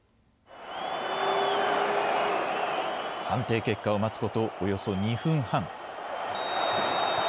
判定結果を待つことおよそ２分半。